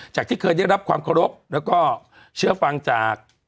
จากที่เคยได้รับความสนใจและก็เชื้อฟังจาก